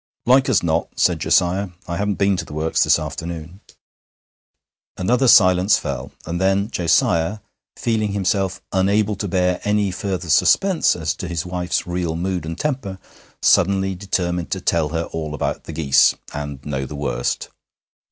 'Like as not,' said Josiah. 'I haven't been to the works this afternoon.' Another silence fell, and then Josiah, feeling himself unable to bear any further suspense as to his wife's real mood and temper, suddenly determined to tell her all about the geese, and know the worst.